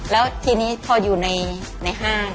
แล้วทีนี้พออยู่ในห้าง